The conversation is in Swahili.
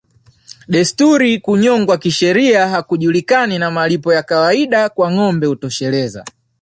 Desturi Kunyongwa kisheria hakujulikani na malipo ya kawaida kwa ngombe hutosheleza